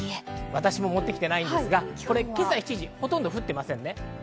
私も持ってきていないですが、今朝７時はほとんど降っていません。